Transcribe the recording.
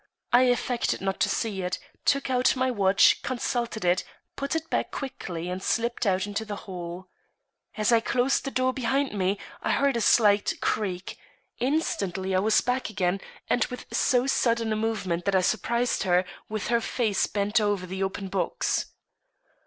I affected not to see it; took out my watch, consulted it, put it back quickly and slipped out into the hall. As I closed the door behind me, I heard a slight creak. Instantly I was back again, and with so sudden a movement that I surprised her, with her face bent over the open box.